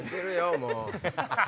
もう。